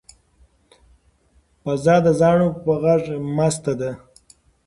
فضا د زاڼو په غږ مسته ده.